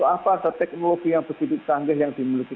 apa ada teknologi yang begitu canggih yang dimiliki